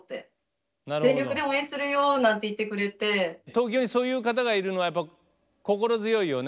東京にそういう方がいるのはやっぱ心強いよね。